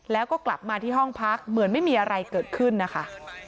แล้วก็กลับมาที่ห้องพักเหมือนไม่มีอะไรเกิดขึ้นนะคะ